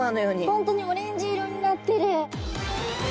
本当にオレンジ色になってる。